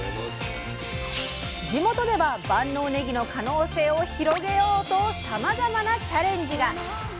地元では万能ねぎの可能性を広げようとさまざまなチャレンジが！